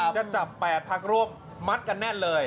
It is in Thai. จะจับ๘พักร่วมมัดกันแน่นเลย